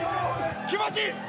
気持ちいいです！